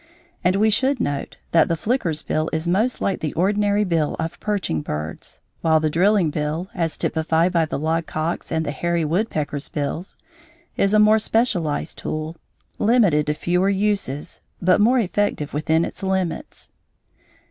And we should note that the flicker's bill is most like the ordinary bill of perching birds, while the drilling bill, as typified by the logcock's and the hairy woodpecker's bills, is a more specialized tool, limited to fewer uses, but more effective within its limits.